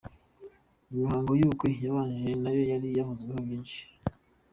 Imihango y’ubukwe yabanje nayo yari yavuzweho byinshi.